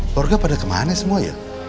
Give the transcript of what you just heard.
keluarga pada kemana semua ya